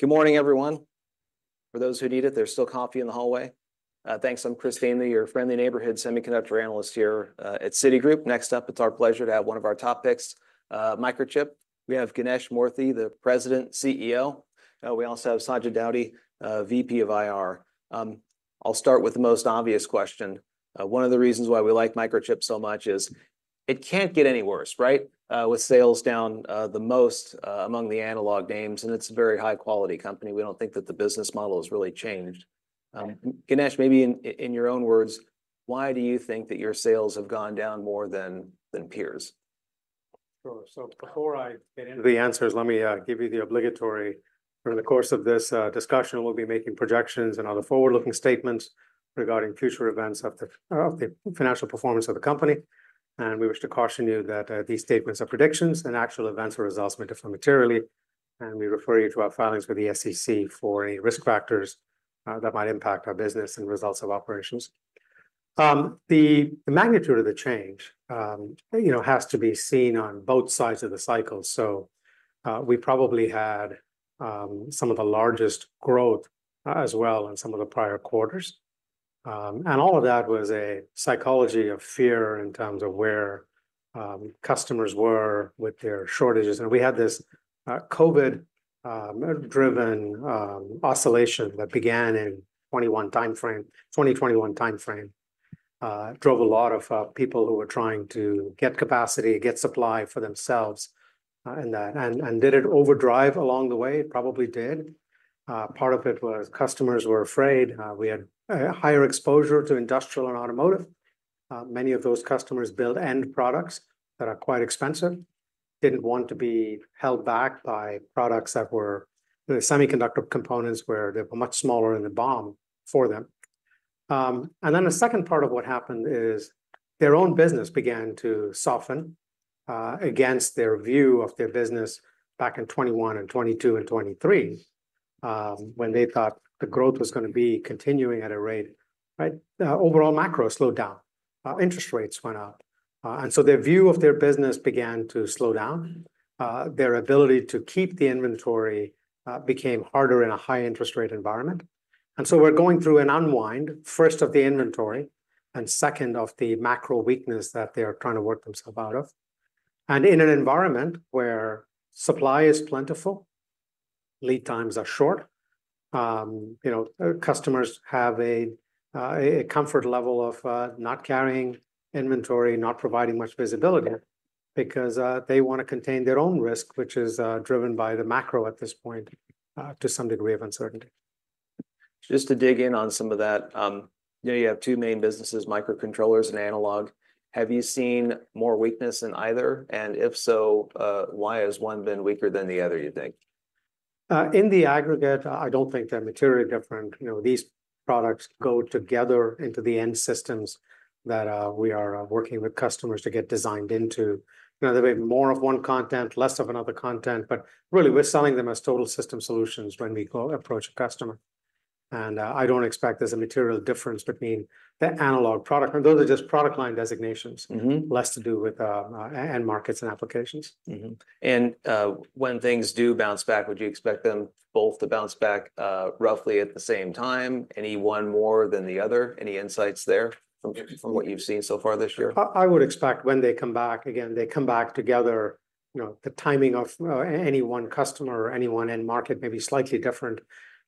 Good morning, everyone. For those who need it, there's still coffee in the hallway. Thanks, I'm Chris Danely, your friendly neighborhood Semiconductor Analyst here at Citigroup. Next up, it's our pleasure to have one of our top picks, Microchip. We have Ganesh Moorthy, the President, CEO. We also have Sajid Daudi, VP of IR. I'll start with the most obvious question. One of the reasons why we like Microchip so much is it can't get any worse, right? With sales down the most among the analog names, and it's a very high-quality company. We don't think that the business model has really changed. Right. Ganesh, maybe in your own words, why do you think that your sales have gone down more than peers? Sure. So before I get into the answers, let me give you the obligatory. During the course of this discussion, we'll be making projections and other forward-looking statements regarding future events of the financial performance of the company, and we wish to caution you that these statements are predictions, and actual events or results may differ materially, and we refer you to our filings with the SEC for any risk factors that might impact our business and results of operations. The magnitude of the change, you know, has to be seen on both sides of the cycle, so we probably had some of the largest growth as well in some of the prior quarters, and all of that was a psychology of fear in terms of where customers were with their shortages. And we had this COVID-driven oscillation that began in 2021 timeframe, 2021 timeframe. Drove a lot of people who were trying to get capacity, get supply for themselves, and that. And did it overdrive along the way? It probably did. Part of it was customers were afraid. We had a higher exposure to Industrial and Automotive. Many of those customers build end products that are quite expensive, didn't want to be held back by products that were... The semiconductor components where they were much smaller in the BOM for them. And then the second part of what happened is their own business began to soften against their view of their business back in 2021 and 2022 and 2023, when they thought the growth was gonna be continuing at a rate, right? Overall macro slowed down. Interest rates went up, and so their view of their business began to slow down. Their ability to keep the inventory became harder in a high-interest rate environment, and so we're going through an unwind, first of the inventory, and second of the macro weakness that they are trying to work themselves out of, and in an environment where supply is plentiful, lead times are short, you know, customers have a comfort level of not carrying inventory, not providing much visibility- Yeah... because they wanna contain their own risk, which is driven by the macro at this point to some degree of uncertainty. Just to dig in on some of that, you know, you have two main businesses, Microcontrollers and Analog. Have you seen more weakness in either, and if so, why has one been weaker than the other, you think? In the aggregate, I don't think they're materially different. You know, these products go together into the end systems that we are working with customers to get designed into. You know, there may be more of one content, less of another content, but really, we're selling them as total system solutions when we go approach a customer. And I don't expect there's a material difference between the Analog product, and those are just product line designations... less to do with end markets and applications. And when things do bounce back, would you expect them both to bounce back roughly at the same time, any one more than the other? Any insights there from what you've seen so far this year? I would expect when they come back, again, they come back together. You know, the timing of any one customer or any one end market may be slightly different,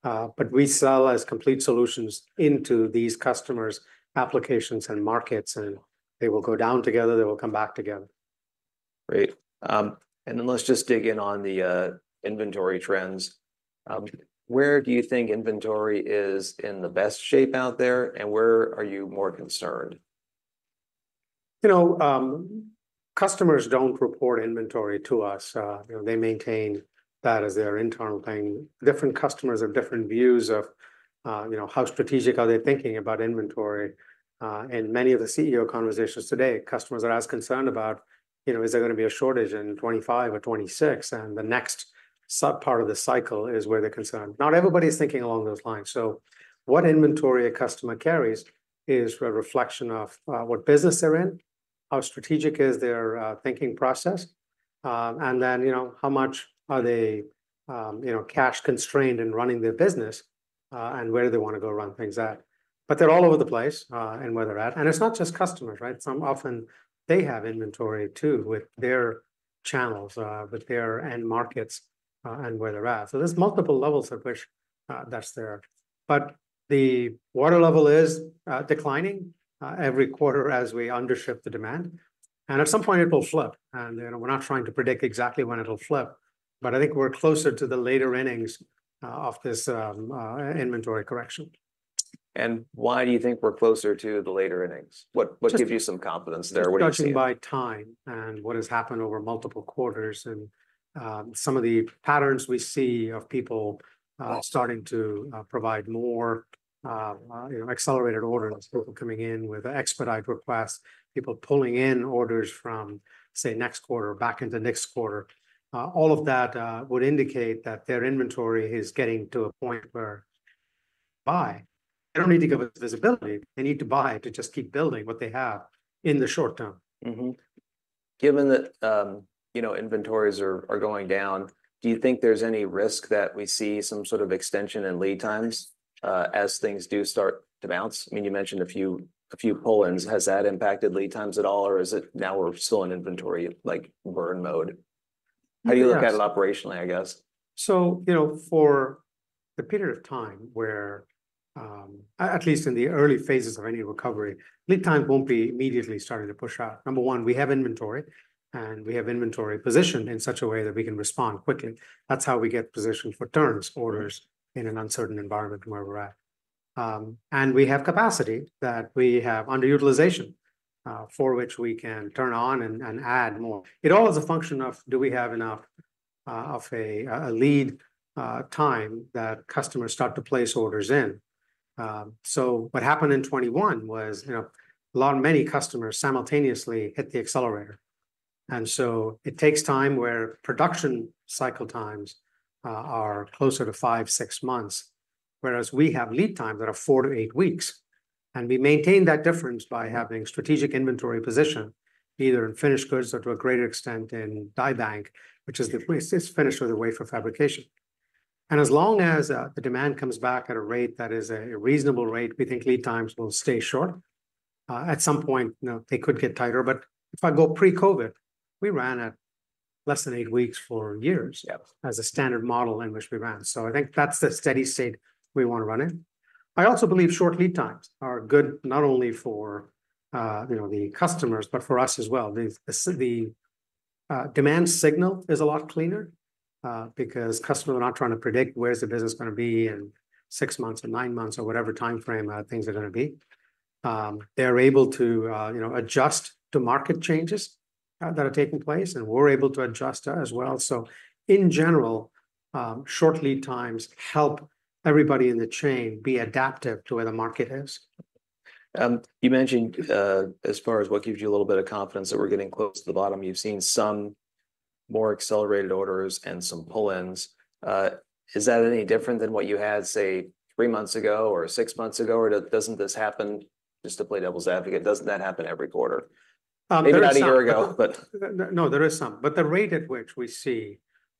but we sell as complete solutions into these customers, applications, and markets, and they will go down together, they will come back together. Great. And then let's just dig in on the inventory trends. Where do you think inventory is in the best shape out there, and where are you more concerned? You know, customers don't report inventory to us. You know, they maintain that as their internal planning. Different customers have different views of, you know, how strategic are they thinking about inventory and many of the CEO conversations today. Customers are as concerned about, you know, is there gonna be a shortage in 2025 or 2026, and the next subpart of the cycle is where they're concerned. Not everybody's thinking along those lines, so what inventory a customer carries is a reflection of what business they're in, how strategic is their thinking process, and then, you know, how much are they, you know, cash-constrained in running their business, and where do they wanna go run things at, but they're all over the place in where they're at, and it's not just customers, right? Some often, they have inventory, too, with their channels, with their end markets, and where they're at. So there's multiple levels at which, that's there. But the water level is declining every quarter as we under-ship the demand, and at some point it will flip. You know, we're not trying to predict exactly when it'll flip, but I think we're closer to the later innings of this inventory correction. Why do you think we're closer to the later innings? What, what gives you some confidence there? What are you seeing? Judgment by time and what has happened over multiple quarters. Some of the patterns we see of people starting to provide more, you know, accelerated orders, people coming in with expedite requests, people pulling in orders from, say, next quarter back into next quarter. All of that would indicate that their inventory is getting to a point where they need to buy. They don't need to give us visibility, they need to buy to just keep building what they have in the short term. Given that, you know, inventories are going down, do you think there's any risk that we see some sort of extension in lead times as things do start to bounce? I mean, you mentioned a few pull-ins. Has that impacted lead times at all, or is it now we're still in inventory, like, burn mode? Yes. How do you look at it operationally, I guess? So, you know, for the period of time where, at least in the early phases of any recovery, lead time won't be immediately starting to push out. Number one, we have inventory, and we have inventory positioned in such a way that we can respond quickly. That's how we get positioned for turns orders... in an uncertain environment from where we're at. And we have capacity that we have underutilization for which we can turn on and add more. It all is a function of, do we have enough of a lead time that customers start to place orders in? So what happened in 2021 was, you know, a lot, many customers simultaneously hit the accelerator, and so it takes time where production cycle times are closer to five, six months, whereas we have lead times that are four to eight weeks. And we maintain that difference by having strategic inventory position, either in finished goods or, to a greater extent, in die bank, which is, it's finished with a wafer fabrication. And as long as the demand comes back at a rate that is a reasonable rate, we think lead times will stay short. At some point, you know, they could get tighter, but if I go pre-COVID, we ran at less than eight weeks for years- Yep... as a standard model in which we ran. So I think that's the steady state we wanna run in. I also believe short lead times are good, not only for, you know, the customers, but for us as well. The demand signal is a lot cleaner, because customers are not trying to predict where's the business gonna be in six months or nine months, or whatever timeframe, things are gonna be. They're able to, you know, adjust to market changes, that are taking place, and we're able to adjust as well. So in general, short lead times help everybody in the chain be adaptive to where the market is. You mentioned, as far as what gives you a little bit of confidence that we're getting close to the bottom, you've seen some more accelerated orders and some pull-ins. Is that any different than what you had, say, three months ago or six months ago, or doesn't this happen, just to play devil's advocate, doesn't that happen every quarter? There is some. Maybe not a year ago, but- No, there is some, but the rate at which we see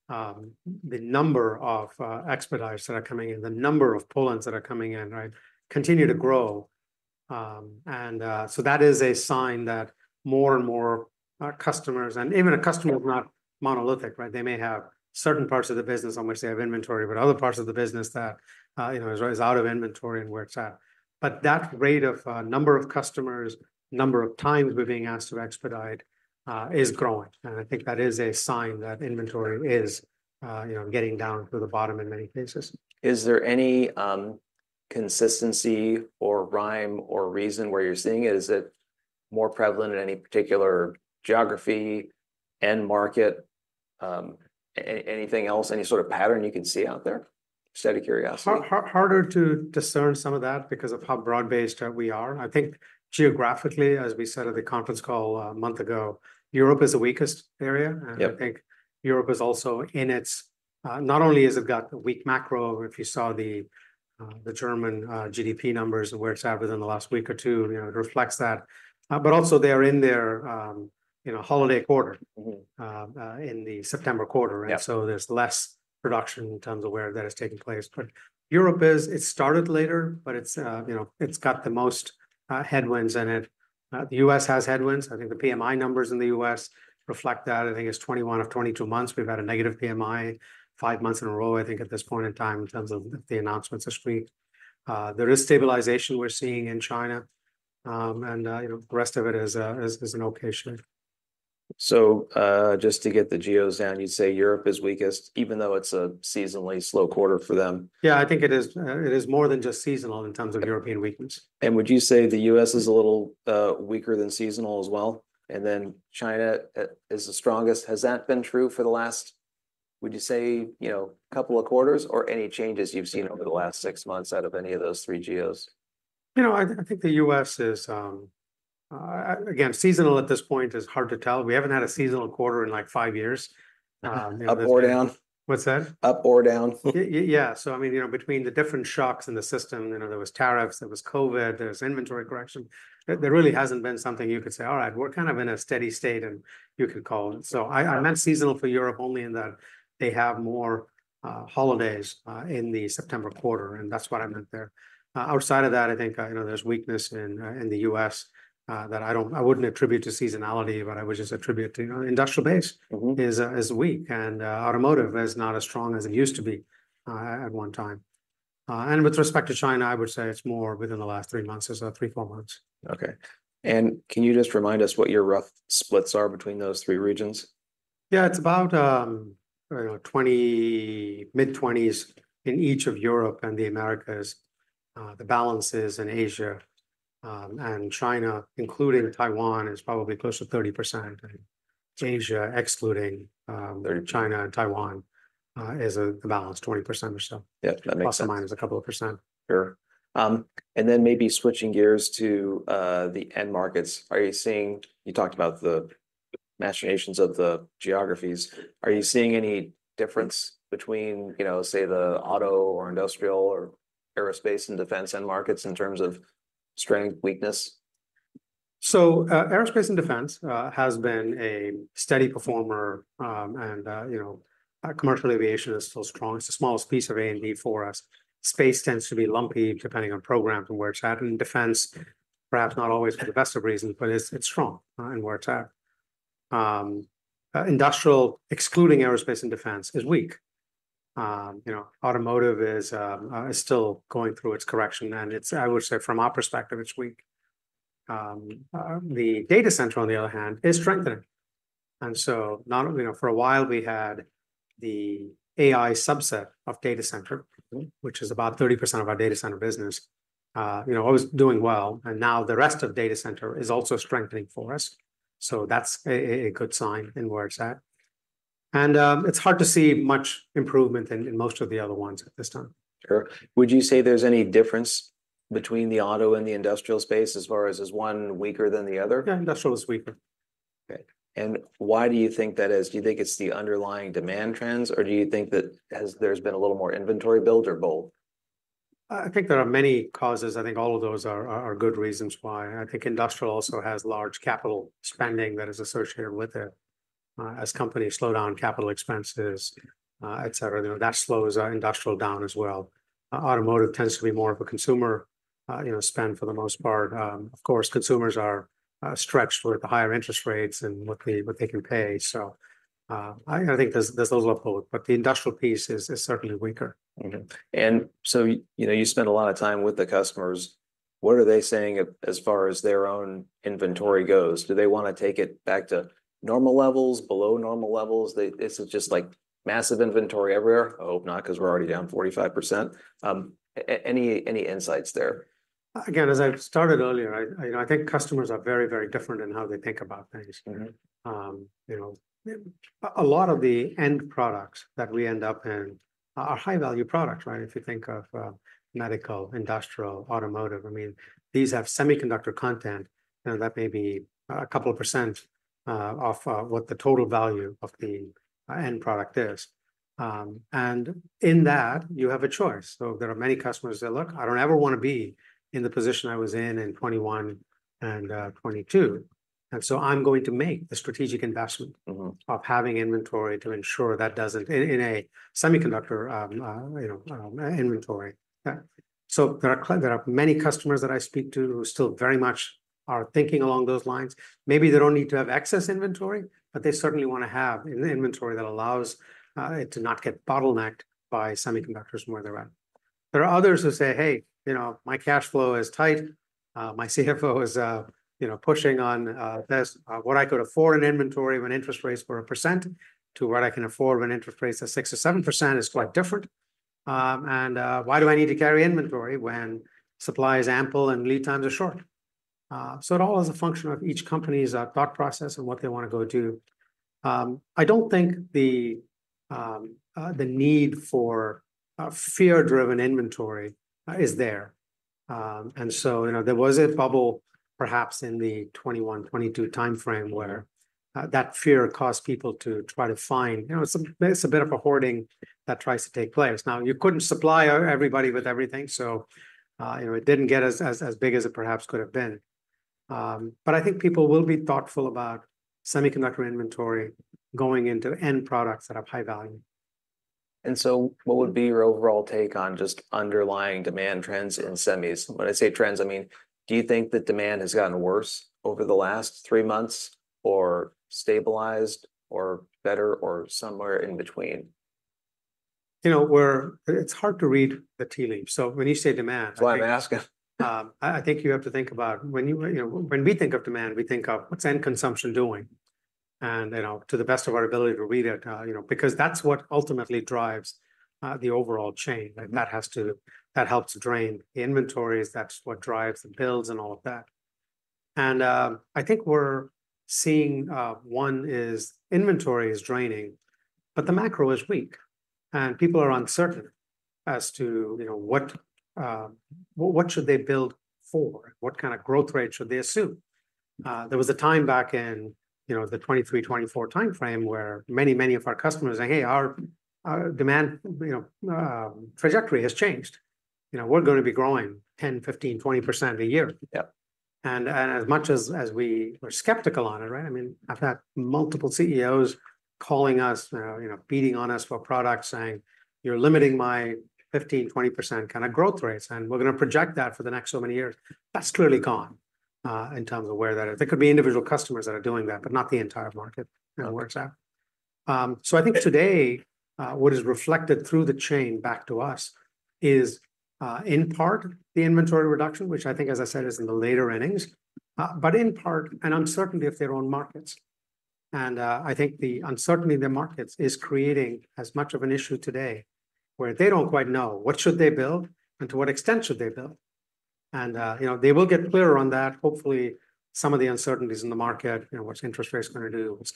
the number of expedites that are coming in, the number of pull-ins that are coming in, right, continue to grow. And so that is a sign that more and more customers, and even a customer- Yeah... is not monolithic, right? They may have certain parts of the business on which they have inventory, but other parts of the business that, you know, is out of inventory and where it's at. But that rate of, number of customers, number of times we're being asked to expedite, is growing, and I think that is a sign that inventory is, you know, getting down to the bottom in many cases. Is there any consistency or rhyme or reason where you're seeing it? Is it more prevalent in any particular geography, end market, anything else, any sort of pattern you can see out there? Just out of curiosity. Harder to discern some of that because of how broad-based we are. I think geographically, as we said at the conference call a month ago, Europe is the weakest area. Yep. And I think Europe is also in its. Not only has it got a weak macro, if you saw the German GDP numbers and where it's at within the last week or two, you know, it reflects that. But also they are in their, you know, holiday quarter... in the September quarter. Yeah. And so there's less production in terms of where that is taking place. But Europe is, it started later, but it's, you know, it's got the most headwinds in it. The U.S. has headwinds. I think the PMI numbers in the U.S. reflect that. I think it's 21 of 22 months we've had a negative PMI five months in a row, I think, at this point in time, in terms of the announcements this week. There is stabilization we're seeing in China. And, you know, the rest of it is an okay shape. Just to get the geos down, you'd say Europe is weakest, even though it's a seasonally slow quarter for them? Yeah, I think it is more than just seasonal in terms of- Yeah... European weakness. Would you say the U.S. is a little weaker than seasonal as well, and then China is the strongest? Has that been true for the last, would you say, you know, couple of quarters, or any changes you've seen?... over the last six months out of any of those three geos? You know, I think the U.S. is, again, seasonal at this point is hard to tell. We haven't had a seasonal quarter in, like, five years, you know. Up or down? What's that? Up or down? Yeah, so I mean, you know, between the different shocks in the system, you know, there was tariffs, there was COVID, there was inventory correction, there really hasn't been something you could say, "All right, we're kind of in a steady state," and you could call it. Yeah. So I meant seasonal for Europe only in that they have more holidays in the September quarter, and that's what I meant there. Outside of that, I think you know, there's weakness in the U.S. that I don't- I wouldn't attribute to seasonality, but I would just attribute to you know, industrial base... is weak, and Automotive is not as strong as it used to be, at one time, and with respect to China, I would say it's more within the last three months, or so, three, four months. Okay, and can you just remind us what your rough splits are between those three regions? Yeah, it's about, you know, 20%, mid-20s% in each of Europe and the Americas. The balance is in Asia, and China, including Taiwan, is probably close to 30%, and Asia, excluding China and Taiwan, is a balance, 20% or so. Yeah, that makes sense. Plus or minus a couple of percent. Sure. And then maybe switching gears to the end markets. You talked about the dynamics of the geographies. Are you seeing any difference between, you know, say, the Auto or Industrial or Aerospace and Defense end markets in terms of strength, weakness? So, Aerospace and Defense has been a steady performer, and you know, commercial aviation is still strong. It's the smallest piece of A&D for us. Space tends to be lumpy, depending on programs and where it's at, and Defense, perhaps not always for the best of reasons, but it's strong in where it's at. Industrial, excluding Aerospace and Defense, is weak. You know, Automotive is still going through its correction, and it's, I would say from our perspective, it's weak. The Data Center, on the other hand, is strengthening. So, you know, for a while we had the AI subset of Data Center, which is about 30% of our Data Center business. You know, always doing well, and now the rest of Data Center is also strengthening for us, so that's a good sign in where it's at. It's hard to see much improvement in most of the other ones at this time. Sure. Would you say there's any difference between the Auto and the Industrial space as far as is one weaker than the other? Yeah, Industrial is weaker. Okay, and why do you think that is? Do you think it's the underlying demand trends, or do you think that as there's been a little more inventory build, or both? I think there are many causes. I think all of those are good reasons why. I think Industrial also has large capital spending that is associated with it. As companies slow down capital expenses, et cetera, you know, that slows our Industrial down as well. Automotive tends to be more of a consumer, you know, spend for the most part. Of course, consumers are stretched with the higher interest rates and what they can pay. So, I think there's a little of both, but the industrial piece is certainly weaker. Okay, and so, you know, you spend a lot of time with the customers. What are they saying as far as their own inventory goes? Do they wanna take it back to normal levels, below normal levels? They... Is it just, like, massive inventory everywhere? I hope not, 'cause we're already down 45%. Any insights there? Again, as I started earlier, I, you know, I think customers are very, very different in how they think about things. You know, a lot of the end products that we end up in are high-value products, right? If you think of medical, industrial, automotive, I mean, these have semiconductor content, you know, that may be a couple of percent of what the total value of the end product is, and in that you have a choice, so there are many customers that say, "Look, I don't ever wanna be in the position I was in in 2021 and 2022, and so I'm going to make the strategic investment... of having inventory to ensure that doesn't, in a semiconductor inventory. So there are many customers that I speak to who still very much are thinking along those lines. Maybe they don't need to have excess inventory, but they certainly wanna have an inventory that allows it to not get bottlenecked by semiconductors more therein. There are others who say, "Hey, you know, my cash flow is tight. My CFO is, you know, pushing on this what I could afford in inventory when interest rates were 1% to what I can afford when interest rates are 6% or 7% is quite different. And why do I need to carry inventory when supply is ample and lead times are short? So it all is a function of each company's thought process and what they wanna go do. I don't think the need for fear-driven inventory is there. And so, you know, there was a bubble, perhaps in the 2021, 2022 timeframe, where that fear caused people to try to find, you know, some... It's a bit of a hoarding that tries to take place. Now, you couldn't supply everybody with everything, so, you know, it didn't get as big as it perhaps could have been. But I think people will be thoughtful about semiconductor inventory going into end products that have high value. What would be your overall take on just underlying demand trends in semis? When I say trends, I mean, do you think that demand has gotten worse over the last three months, or stabilized, or better, or somewhere in between? You know, it's hard to read the tea leaves, so when you say demand, I think- That's why I'm asking. I think you have to think about when you, you know, when we think of demand, we think of what's end consumption doing? And, you know, to the best of our ability to read it, you know, because that's what ultimately drives the overall chain. That helps drain the inventories. That's what drives the builds and all of that, and I think we're seeing one is inventory is draining, but the macro is weak, and people are uncertain as to, you know, what should they build for? What kind of growth rate should they assume? There was a time back in, you know, the 2023, 2024 timeframe, where many, many of our customers saying, "Hey, our demand, you know, trajectory has changed. You know, we're gonna be growing 10%, 15%, 20% a year. Yep. As much as we were skeptical on it, right, I mean, I've had multiple CEOs calling us, you know, beating on us for product, saying, "You're limiting my 15%-20% kind of growth rates, and we're gonna project that for the next so many years." That's clearly gone, in terms of where that... There could be individual customers that are doing that, but not the entire market, you know, where it's at. Okay. So I think today, what is reflected through the chain back to us is, in part, the inventory reduction, which I think, as I said, is in the later innings, but in part, an uncertainty of their own markets. I think the uncertainty in the markets is creating as much of an issue today, where they don't quite know what should they build and to what extent should they build. You know, they will get clearer on that. Hopefully, some of the uncertainties in the market, you know, what's interest rates gonna do, what's,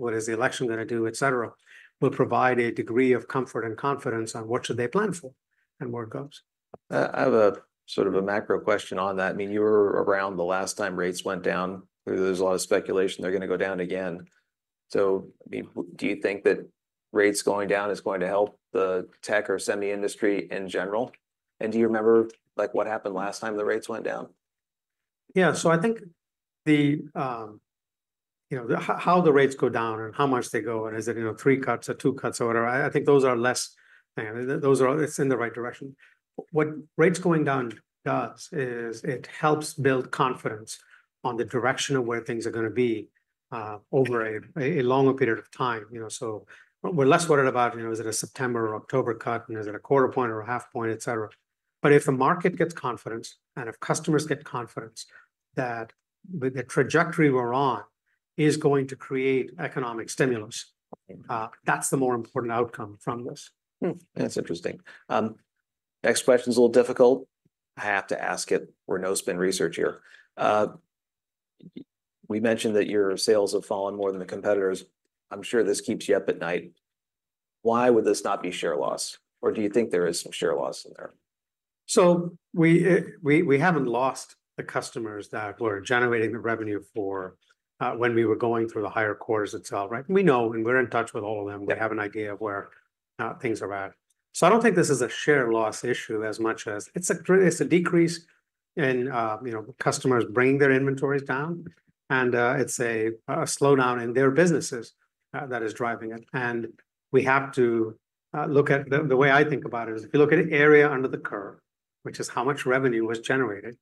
what is the election gonna do, et cetera, will provide a degree of comfort and confidence on what should they plan for?... and more cuts. I have a sort of a macro question on that. I mean, you were around the last time rates went down. There's a lot of speculation they're gonna go down again. So, I mean, do you think that rates going down is going to help the tech or semi industry in general? And do you remember, like, what happened last time the rates went down? Yeah, so I think, you know, the how the rates go down and how much they go, and is it, you know, three cuts or two cuts or whatever, I think those are less than those are it's in the right direction. What rates going down does is it helps build confidence on the direction of where things are gonna be over a longer period of time, you know? So we're less worried about, you know, is it a September or October cut, and is it a quarter point or a half point, et cetera. But if the market gets confidence, and if customers get confidence, that the trajectory we're on is going to create economic stimulus. That's the more important outcome from this. That's interesting. Next question's a little difficult. I have to ask it. We're no-spin research here. We mentioned that your sales have fallen more than the competitors. I'm sure this keeps you up at night. Why would this not be share loss, or do you think there is some share loss in there? So we haven't lost the customers that we're generating the revenue for, when we were going through the higher quarters itself, right? We know, and we're in touch with all of them. Yeah. We have an idea of where things are at. So I don't think this is a share loss issue as much as it's a decrease in, you know, customers bringing their inventories down, and it's a slowdown in their businesses that is driving it. And we have to look at the way I think about it is if you look at area under the curve, which is how much revenue was generated,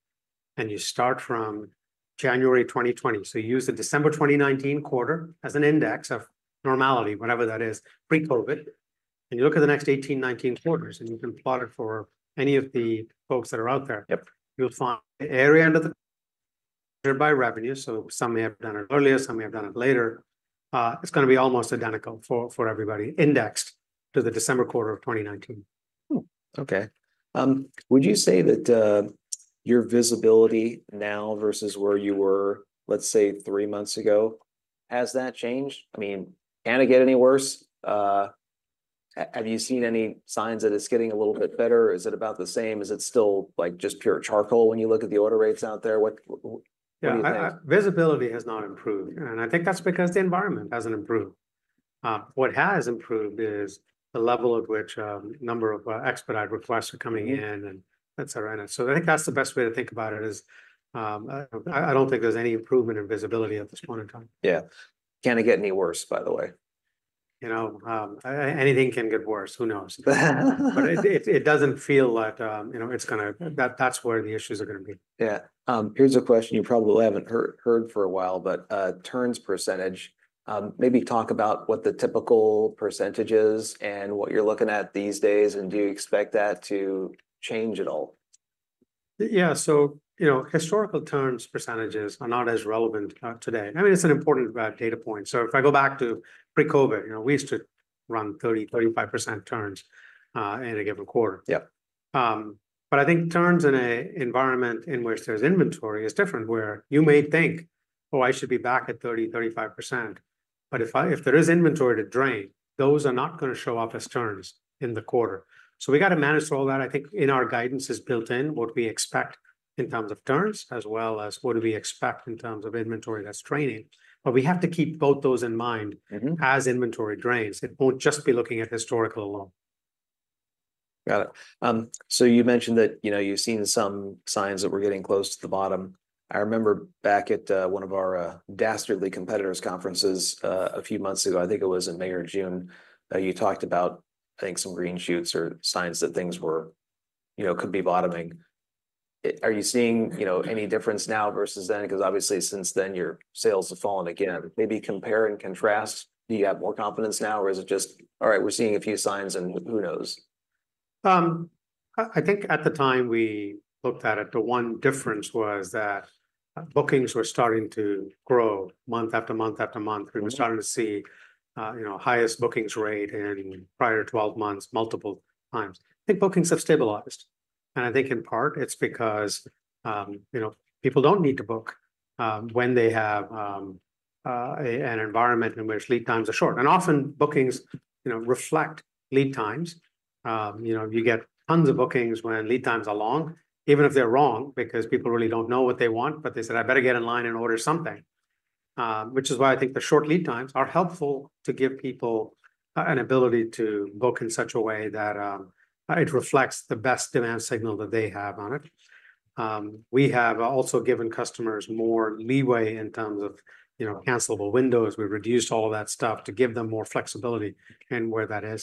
and you start from January 2020, so you use the December 2019 quarter as an index of normality, whatever that is, pre-COVID, and you look at the next 2018, 2019 quarters, and you can plot it for any of the folks that are out there- Yep... you'll find the area under the by revenue, so some may have done it earlier, some may have done it later, it's gonna be almost identical for everybody, indexed to the December quarter of 2019. Hmm, okay. Would you say that your visibility now versus where you were, let's say, three months ago, has that changed? I mean, can it get any worse? Have you seen any signs that it's getting a little bit better, or is it about the same? Is it still, like, just pure charcoal when you look at the order rates out there? What do you think? Yeah, visibility has not improved, and I think that's because the environment hasn't improved. What has improved is the level at which, number of, expedite requests are coming in... and et cetera. And so I think that's the best way to think about it is, I don't think there's any improvement in visibility at this point in time. Yeah. Can it get any worse, by the way? You know, anything can get worse. Who knows? But it doesn't feel like, you know, it's gonna... That's where the issues are gonna be. Yeah. Here's a question you probably haven't heard for a while, but turns percentage. Maybe talk about what the typical percentage is and what you're looking at these days, and do you expect that to change at all? Yeah, so, you know, historical turns percentages are not as relevant today. I mean, it's an important data point. So if I go back to pre-COVID, you know, we used to run 30%-35% turns in a given quarter. Yep. But I think turns in an environment in which there's inventory is different, where you may think, "Oh, I should be back at 30%-35%," but if there is inventory to drain, those are not gonna show up as turns in the quarter. So we gotta manage through all that. I think in our guidance is built in what we expect in terms of turns, as well as what do we expect in terms of inventory that's draining. But we have to keep both those in mind... as inventory drains, and won't just be looking at historical alone. Got it, so you mentioned that, you know, you've seen some signs that we're getting close to the bottom. I remember back at, one of our, dastardly competitors' conferences, a few months ago, I think it was in May or June, you talked about, I think, some green shoots or signs that things were, you know, could be bottoming. Are you seeing, you know, any difference now versus then? 'Cause obviously, since then, your sales have fallen again. Maybe compare and contrast. Do you have more confidence now, or is it just, "All right, we're seeing a few signs, and who knows? I think at the time we looked at it, the one difference was that bookings were starting to grow month after month after month. We were starting to see, you know, highest bookings rate in prior 12 months, multiple times. I think bookings have stabilized, and I think in part it's because, you know, people don't need to book when they have an environment in which lead times are short, and often, bookings, you know, reflect lead times. You know, you get tons of bookings when lead times are long, even if they're wrong, because people really don't know what they want, but they said, "I better get in line and order something." Which is why I think the short lead times are helpful to give people an ability to book in such a way that it reflects the best demand signal that they have on it. We have also given customers more leeway in terms of, you know, cancelable windows. We've reduced all of that stuff to give them more flexibility in where that is.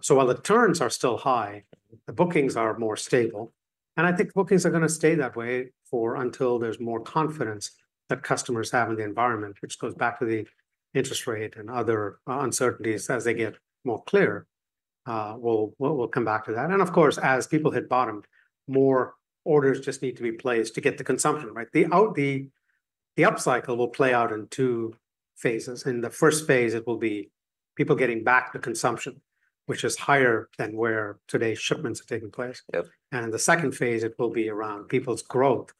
So while the turns are still high, the bookings are more stable, and I think bookings are gonna stay that way for until there's more confidence that customers have in the environment, which goes back to the interest rate and other uncertainties. As they get more clear, we'll come back to that. And of course, as people hit bottom, more orders just need to be placed to get the consumption, right? The up cycle will play out in two phases. In the first phase, it will be people getting back to consumption, which is higher than where today's shipments are taking place. Yep. And the second phase, it will be around people's growth,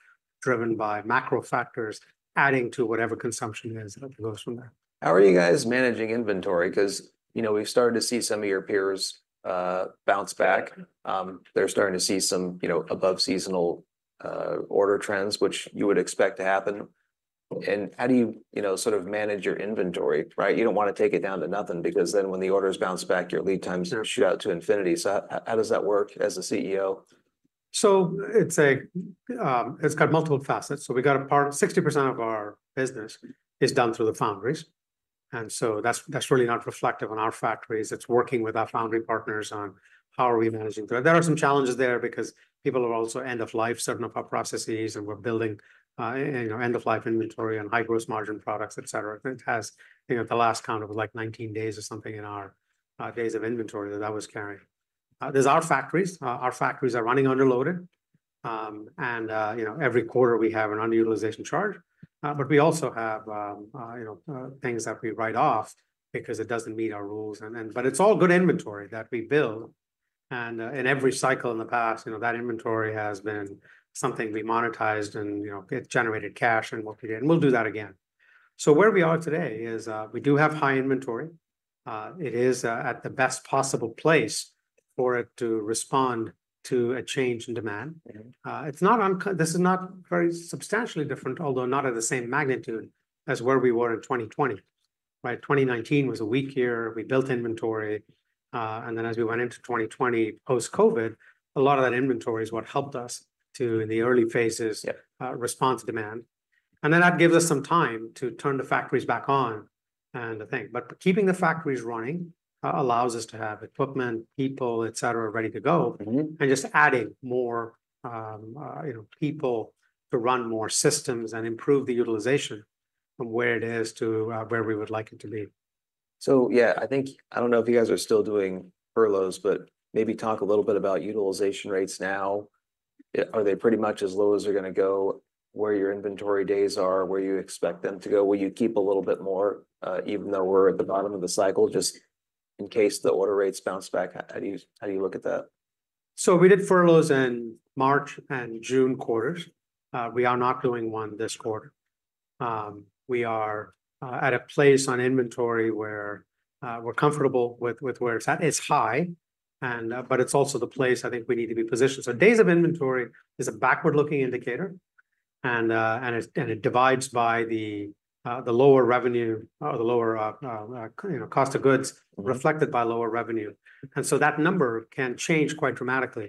driven by macro factors, adding to whatever consumption is, and it goes from there. How are you guys managing inventory? 'Cause, you know, we've started to see some of your peers bounce back. They're starting to see some, you know, above seasonal order trends, which you would expect to happen. And how do you, you know, sort of manage your inventory, right? You don't wanna take it down to nothing, because then when the orders bounce back, your lead times- Sure... shoot out to infinity. So how, how does that work as a CEO? So it's a... It's got multiple facets. So we got a part- 60% of our business is done through the foundries, and so that's, that's really not reflective on our factories. It's working with our foundry partners on how are we managing through it. There are some challenges there because people are also end of life, certain of our processes, and we're building, you know, end-of-life inventory and high gross margin products, et cetera. I think it has, you know, at the last count, it was like 19 days or something in our, days of inventory that I was carrying. There's our factories. Our factories are running underloaded. And, you know, every quarter we have an underutilization charge, but we also have, you know, things that we write off because it doesn't meet our rules. But it's all good inventory that we build, and in every cycle in the past, you know, that inventory has been something we monetized and, you know, it generated cash and what we did, and we'll do that again. So where we are today is, we do have high inventory. It is at the best possible place for it to respond to a change in demand. This is not very substantially different, although not at the same magnitude, as where we were in 2020, right? 2019 was a weak year. We built inventory, and then as we went into 2020, post-COVID, a lot of that inventory is what helped us to, in the early phases- Yep... response demand. And then that gives us some time to turn the factories back on and to think. But keeping the factories running allows us to have equipment, people, et cetera, ready to go. Just adding more, you know, people to run more systems and improve the utilization from where it is to where we would like it to be. So yeah, I think, I don't know if you guys are still doing furloughs, but maybe talk a little bit about utilization rates now. Are they pretty much as low as they're gonna go, where your inventory days are, where you expect them to go? Will you keep a little bit more, even though we're at the bottom of the cycle, just in case the order rates bounce back? How do you look at that? We did furloughs in March and June quarters. We are not doing one this quarter. We are at a place on inventory where we're comfortable with where it's at. It's high, and but it's also the place I think we need to be positioned. Days of inventory is a backward-looking indicator, and it divides by the lower revenue or the lower, you know, cost of goods... reflected by lower revenue, and so that number can change quite dramatically,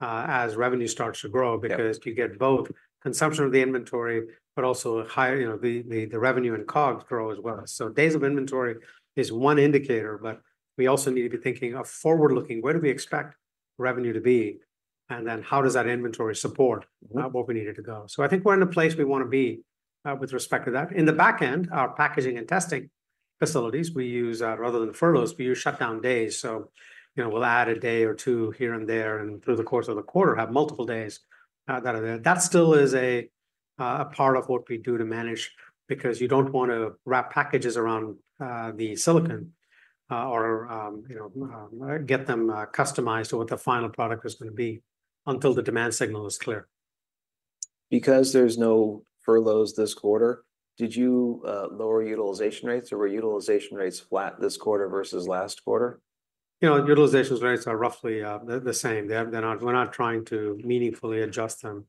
as revenue starts to grow- Yep... because you get both consumption of the inventory, but also higher, you know, the revenue and COGS grow as well. So days of inventory is one indicator, but we also need to be thinking of forward-looking. Where do we expect revenue to be, and then how does that inventory support... where we need it to go? So I think we're in a place we wanna be with respect to that. In the back end, our packaging and testing facilities, we use rather than furloughs, we use shutdown days. So, you know, we'll add a day or two here and there, and through the course of the quarter, have multiple days that are there. That still is a a part of what we do to manage, because you don't want to wrap packages around the silicon or, you know, get them customized to what the final product is gonna be until the demand signal is clear. Because there's no furloughs this quarter, did you lower utilization rates, or were utilization rates flat this quarter versus last quarter? You know, utilization rates are roughly the same. They're not... We're not trying to meaningfully adjust them,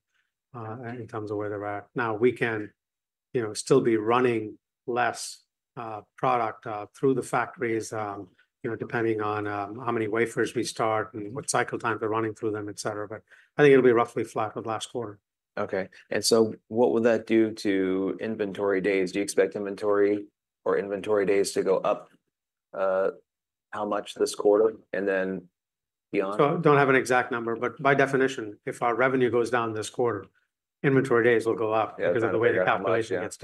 in terms of where they're at. Now, we can, you know, still be running less product through the factories, you know, depending on how many wafers we start and what cycle time they're running through them, et cetera, but I think it'll be roughly flat with last quarter. Okay. And so what would that do to inventory days? Do you expect inventory or inventory days to go up, how much this quarter, and then beyond? So, don't have an exact number, but by definition, if our revenue goes down this quarter, inventory days will go up. Yeah... because of the way the calculation gets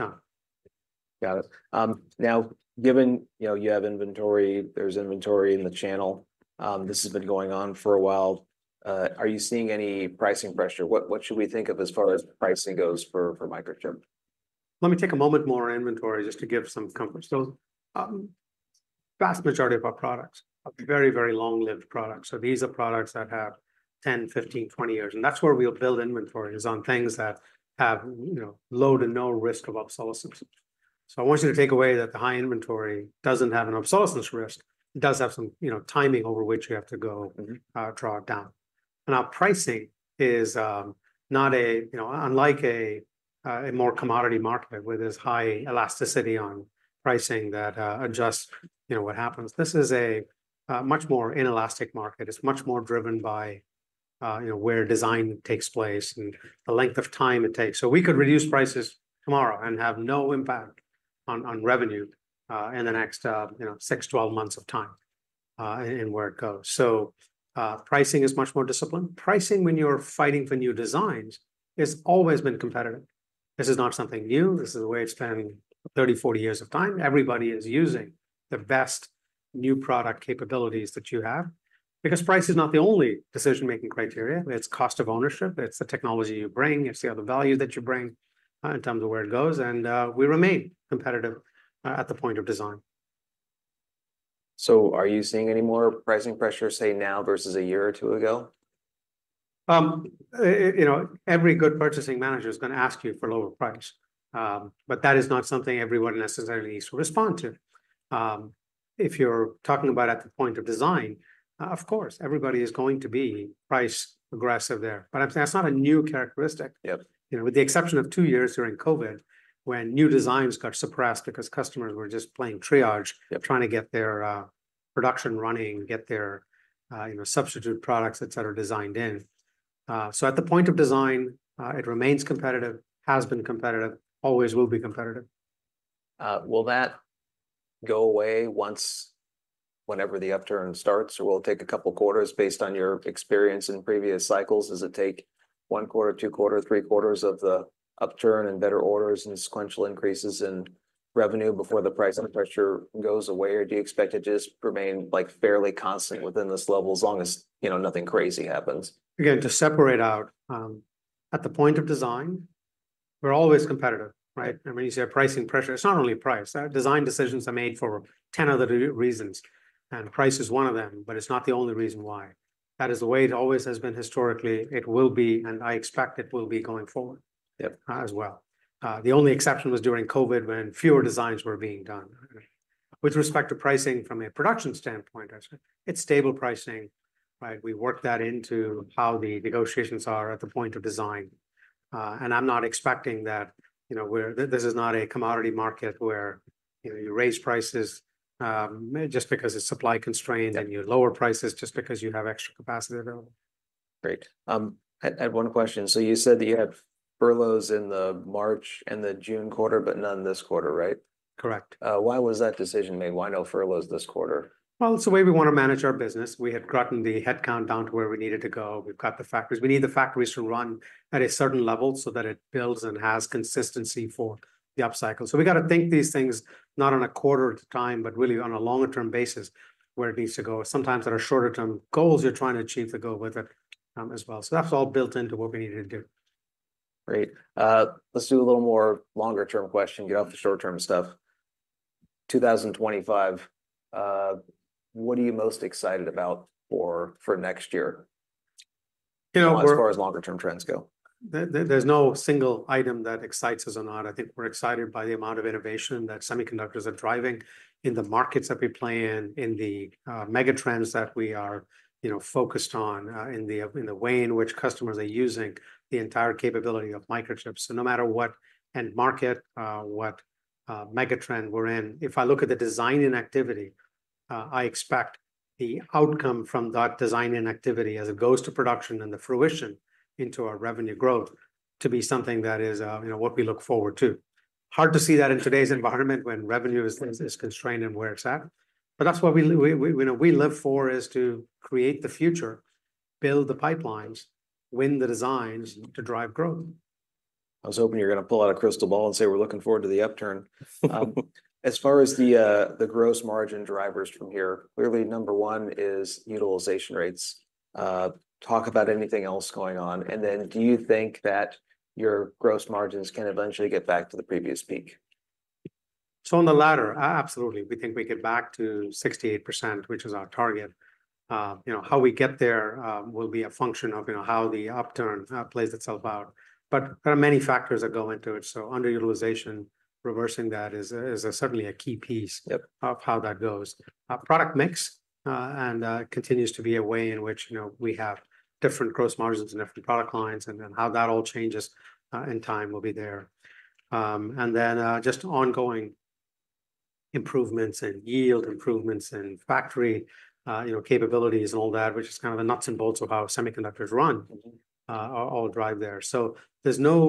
done. Got it. Now, given, you know, you have inventory, there's inventory in the channel, this has been going on for a while, are you seeing any pricing pressure? What, what should we think of as far as pricing goes for, for Microchip? Let me take a moment more on inventory, just to give some comfort. So, vast majority of our products are very, very long-lived products. So these are products that have 10, 15, 20 years, and that's where we'll build inventory is on things that have, you know, low to no risk of obsolescence. So I want you to take away that the high inventory doesn't have an obsolescence risk. It does have some, you know, timing over which we have to go... draw it down, and our pricing is not, you know, unlike a more commodity market where there's high elasticity on pricing that adjusts, you know, what happens. This is a much more inelastic market. It's much more driven by, you know, where design takes place and the length of time it takes. So we could reduce prices tomorrow and have no impact on revenue in the next, you know, six to 12 months of time in where it goes. So pricing is much more disciplined. Pricing, when you're fighting for new designs, has always been competitive. This is not something new. This is the way it's been 30, 40 years of time. Everybody is using the best new product capabilities that you have because price is not the only decision-making criteria. It's cost of ownership, it's the technology you bring, it's the other value that you bring, in terms of where it goes, and we remain competitive at the point of design. So are you seeing any more pricing pressure, say, now versus a year or two ago? You know, every good purchasing manager is gonna ask you for a lower price, but that is not something everyone necessarily needs to respond to. If you're talking about at the point of design, of course, everybody is going to be price-aggressive there. But I'm saying that's not a new characteristic. Yep. You know, with the exception of two years during COVID, when new designs got suppressed because customers were just playing triage- Yep... trying to get their production running, get their, you know, substitute products, et cetera, designed in, so at the point of design, it remains competitive, has been competitive, always will be competitive. Will that go away once whenever the upturn starts, or will it take a couple quarters based on your experience in previous cycles? Does it take one quarter, two quarter, three quarters of the upturn and better orders and sequential increases in revenue before the pricing pressure goes away? Or do you expect it to just remain, like, fairly constant within this level, as long as, you know, nothing crazy happens? Again, to separate out, at the point of design, we're always competitive, right? I mean, you say pricing pressure, it's not only price. Design decisions are made for 10 other reasons, and price is one of them, but it's not the only reason why. That is the way it always has been historically. It will be, and I expect it will be going forward. Yep... as well. The only exception was during COVID, when fewer designs were being done. With respect to pricing from a production standpoint, it's stable pricing, right? We work that into how the negotiations are at the point of design. And I'm not expecting that, you know, where this is not a commodity market where, you know, you raise prices just because it's supply constrained. Yep... and you lower prices just because you have extra capacity available. Great. I had one question. So you said that you had furloughs in the March and the June quarter, but none this quarter, right? Correct. Why was that decision made? Why no furloughs this quarter? Well, it's the way we want to manage our business. We had gotten the headcount down to where we need it to go. We've got the factories. We need the factories to run at a certain level so that it builds and has consistency for the upcycle. So we've got to think these things not on a quarter at a time, but really on a longer-term basis, where it needs to go. Sometimes there are shorter-term goals you're trying to achieve to go with it, as well. So that's all built into what we need to do. Great. Let's do a little more longer-term question, get off the short-term stuff. 2025, what are you most excited about for next year? You know- As far as longer-term trends go. There's no single item that excites us or not. I think we're excited by the amount of innovation that semiconductors are driving in the markets that we play in, in the megatrends that we are, you know, focused on, in the way in which customers are using the entire capability of Microchip. So no matter what end market, what megatrend we're in, if I look at the design-in activity, I expect the outcome from that design-in activity as it goes to production and the fruition into our revenue growth to be something that is, you know, what we look forward to. Hard to see that in today's environment, when revenue is constrained and where it's at, but that's what we live for, is to create the future, build the pipelines, win the designs to drive growth. I was hoping you were gonna pull out a crystal ball and say, "We're looking forward to the upturn." As far as the gross margin drivers from here, clearly number one is utilization rates. Talk about anything else going on, and then do you think that your gross margins can eventually get back to the previous peak? So on the latter, absolutely, we think we get back to 68%, which is our target. You know, how we get there will be a function of, you know, how the upturn plays itself out. But there are many factors that go into it, so underutilization, reversing that is certainly a key piece- Yep... of how that goes. Product mix and continues to be a way in which, you know, we have different gross margins in different product lines, and then how that all changes in time will be there. And then just ongoing improvements and yield improvements and factory, you know, capabilities and all that, which is kind of the nuts and bolts of how semiconductors run... all drive there. So there's no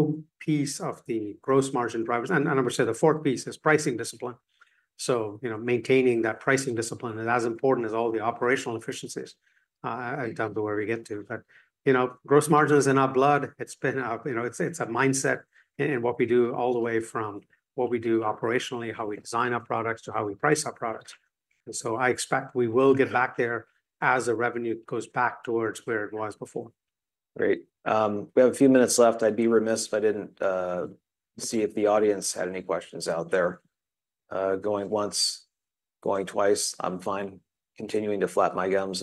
piece of the gross margin drivers. And I would say the fourth piece is pricing discipline. So, you know, maintaining that pricing discipline is as important as all the operational efficiencies down to where we get to. But, you know, gross margin's in our blood. It's been you know, it's a mindset in what we do, all the way from what we do operationally, how we design our products, to how we price our products. And so I expect we will get back there as the revenue goes back towards where it was before. Great. We have a few minutes left. I'd be remiss if I didn't see if the audience had any questions out there. Going once, going twice. I'm fine continuing to flap my gums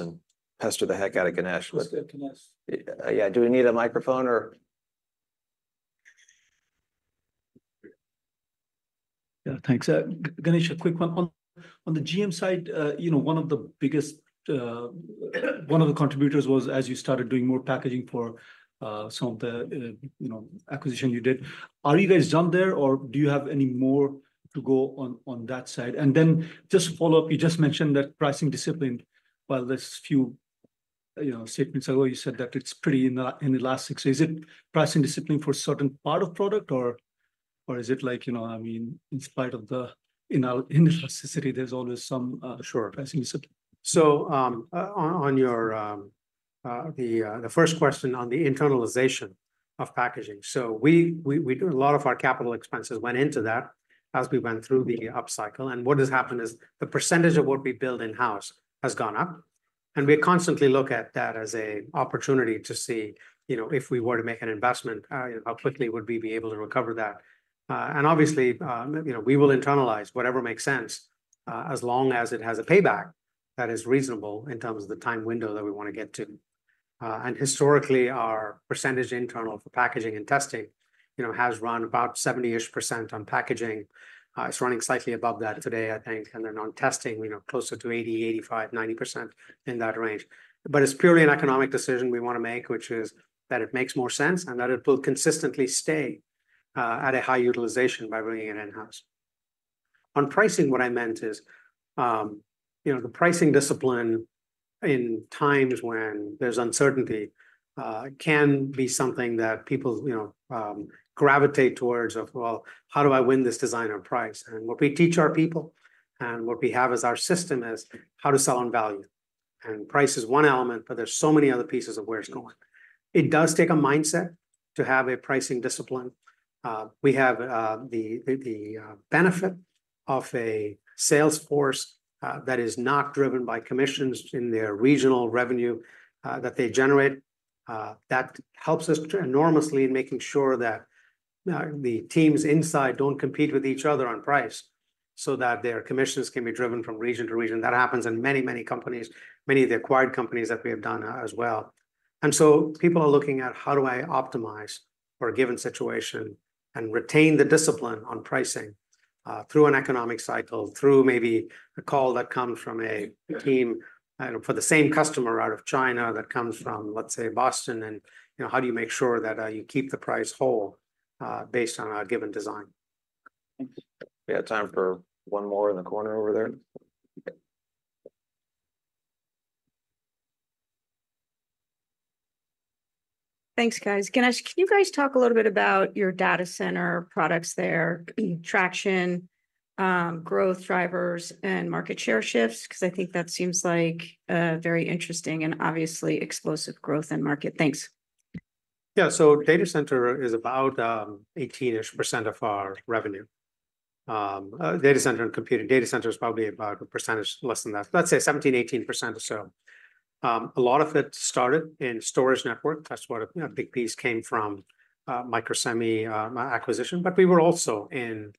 and pester the heck out of Ganesh. Go ahead, Ganesh. Yeah, do we need a microphone or? Yeah, thanks. Ganesh, a quick one. On the GM side, you know, one of the biggest contributors was, as you started doing more packaging for some of the, you know, acquisitions you did. Are you guys done there, or do you have any more to go on that side? And then just to follow up, you just mentioned that pricing discipline. Well, a few statements ago, you said that it's pretty inelastic. So is it pricing discipline for a certain part of product, or is it like, you know, I mean, in spite of the inelasticity, there's always some- Sure... pricing you said? On your first question on the internalization of packaging. A lot of our capital expenses went into that as we went through the upcycle. And what has happened is, the percentage of what we build in-house has gone up, and we constantly look at that as an opportunity to see, you know, if we were to make an investment, how quickly would we be able to recover that? And obviously, you know, we will internalize whatever makes sense, as long as it has a payback that is reasonable in terms of the time window that we wanna get to. And historically, our percentage internal for packaging and testing, you know, has run about 70%-ish on packaging. It's running slightly above that today, I think, and then on testing, you know, closer to 80%, 85%, 90%, in that range, but it's purely an economic decision we wanna make, which is that it makes more sense, and that it will consistently stay at a high utilization by bringing it in-house. On pricing, what I meant is, you know, the pricing discipline in times when there's uncertainty can be something that people, you know, gravitate towards, well, how do I win this design on price, and what we teach our people, and what we have as our system is how to sell on value, and price is one element, but there's so many other pieces of where it's going. It does take a mindset to have a pricing discipline. We have the benefit of a sales force that is not driven by commissions in their regional revenue that they generate. That helps us enormously in making sure that the teams inside don't compete with each other on price, so that their commissions can be driven from region to region. That happens in many, many companies, many of the acquired companies that we have done as well. And so people are looking at, How do I optimize for a given situation and retain the discipline on pricing, through an economic cycle, through maybe a call that comes from a team, for the same customer out of China that comes from, let's say, Boston, and, you know, how do you make sure that you keep the price whole, based on a given design? We have time for one more in the corner over there. Thanks, guys. Ganesh, can you guys talk a little bit about your Data Center products there, traction, growth drivers, and market share shifts? Because I think that seems like a very interesting and obviously explosive growth in market. Thanks. Yeah, so Data Center is about 18%-ish of our revenue. Data Center and computer. Data Center is probably about a percentage less than that. Let's say 17%-18% or so. A lot of it started in storage network. That's what a big piece came from, Microsemi acquisition, but we were also in,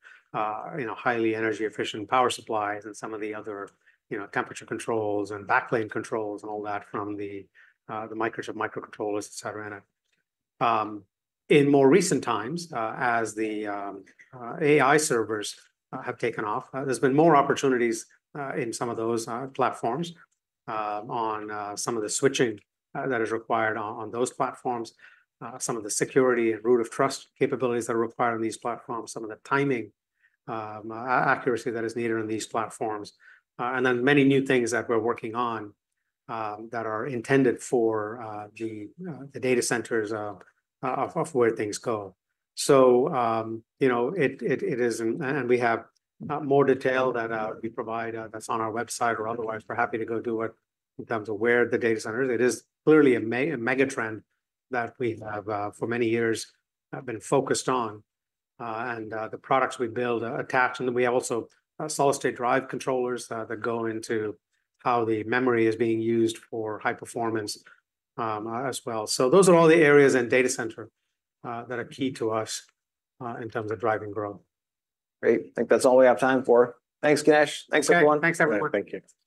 you know, highly energy-efficient power supplies and some of the other, you know, temperature controls and backplane controls and all that from the Microchip Microcontrollers, et cetera. In more recent times, as the AI servers have taken off, there's been more opportunities in some of those platforms on some of the switching that is required on those platforms, some of the security and root of trust capabilities that are required on these platforms, some of the timing accuracy that is needed on these platforms, and then many new things that we're working on that are intended for the data centers of where things go. So, you know, it is and we have more detail that we provide that's on our website or otherwise, we're happy to go do it in terms of where the data center is. It is clearly a megatrend that we have, for many years, have been focused on, and the products we build attach. And then we have also solid-state drive controllers that go into how the memory is being used for high performance, as well. So those are all the areas in data center that are key to us in terms of driving growth. Great. I think that's all we have time for. Thanks, Ganesh. Thanks, everyone. Thanks, everyone. Thank you.